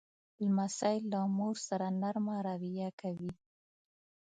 لمسی له مور سره نرمه رویه کوي.